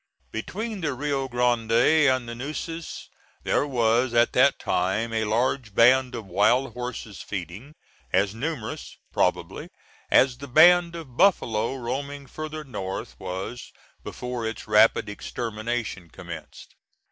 Between the Rio Grande and the Nueces there was at that time a large band of wild horses feeding; as numerous, probably, as the band of buffalo roaming further north was before its rapid extermination commenced.